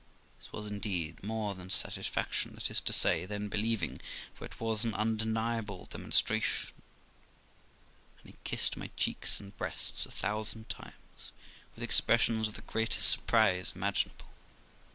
This was, indeed, more than satisfaction, that is to say, than believing, for it was an undeniable demon stration, and he kissed my cheeks and breasts a thousand times, with expressions of the greatest surprise imaginable.